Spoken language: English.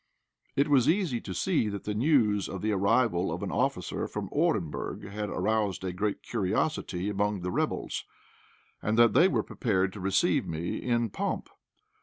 It was easy to see that the news of the arrival of an officer from Orenburg had aroused a great curiosity among the rebels, and that they were prepared to receive me in pomp.